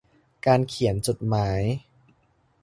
การเขียนจดหมาย